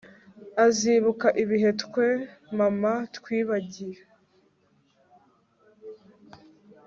azibuka ibihe twe mama twibagiwe